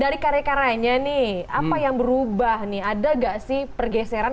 dari karya karyanya nih apa yang berubah nih ada gak sih pergeseran